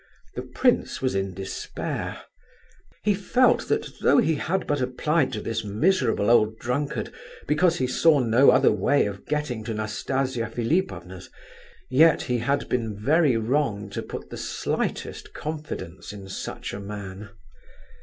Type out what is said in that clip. The prince was in despair. He felt that though he had but applied to this miserable old drunkard because he saw no other way of getting to Nastasia Philipovna's, yet he had been very wrong to put the slightest confidence in such a man.